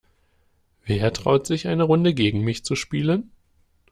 Wer traut sich, eine Runde gegen mich zu spielen?